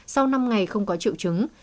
sau năm ngày không có triệu chứng